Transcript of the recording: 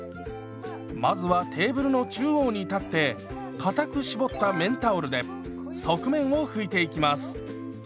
まずはテーブルの中央に立ってかたく絞った綿タオルで側面を拭いていきます。